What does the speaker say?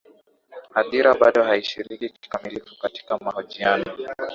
hadhira bado haishiriki kikamilifu katika mahojiano